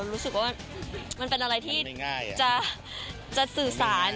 รู้สึกว่ามันเป็นอะไรที่จะสื่อสาร